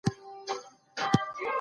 که عدالت پلی نسي په ټولنه کې غضب راځي.